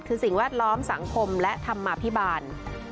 คือสิ่งแวดล้อมสังคมและธรรมาภิบาล